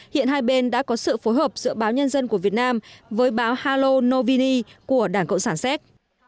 hiện hai bên đã có sự phối hợp giữa báo nhân dân của việt nam với báo halo novini của đảng cộng sản séc